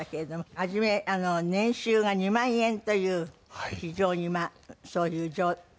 初め年収が２万円という非常にまあそういう状況からですね